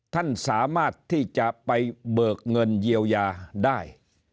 ท่านสามารถที่จะไปเบิกเงินเยียวยาได้